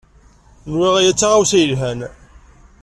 Nwiɣ aya d taɣawsa yelhan.